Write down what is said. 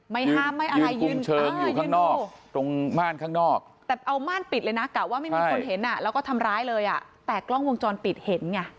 ไม่ห้ามไม่อะไรยืนอยู่ข้างนอกตรงม่านข้างนอกแต่เอาม่านปิดเลยนะกะว่าไม่มีคนเห็นอ่ะแล้วก็ทำร้ายเลยอ่ะแต่กล้องวงจรปิดเห็นไง